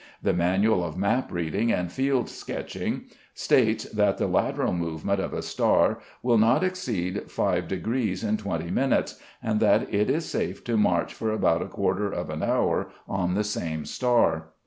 The Manual of Map Reading and Field Sketching states that the lateral movement of a star will not exceed 5° in 20 minutes, and that it is safe to march for about a quarter of an hour on the same star.